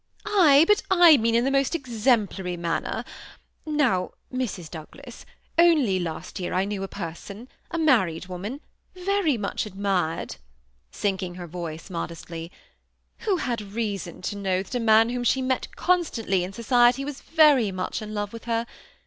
^Ayl but I mean in the most exemplary manner. Now, Mrs. Douglas, only last year I knew a person, a married woman, very much admired," (sinking her voice modestly,) '^ who had reason to know* that a man whom she met constantly in society was very much in love with her.